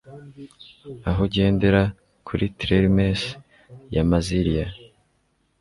Aho ugendera kuri triremes ya Massilia